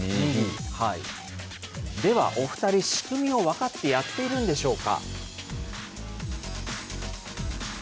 では、お２人、仕組みを分かってやっているんでしょうか。